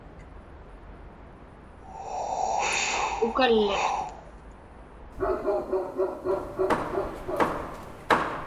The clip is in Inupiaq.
ukalliq